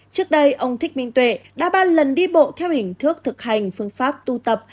trước đây ông thích minh tuệ đã ba lần đi bộ theo hình thức thực hành phương pháp tu tập